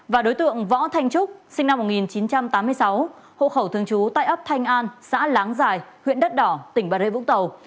và đối tượng võ thanh trúc sinh năm một nghìn chín trăm tám mươi sáu hộ khẩu thường trú tại ấp thanh an xã láng giải huyện đất đỏ tỉnh bà rê vũng tàu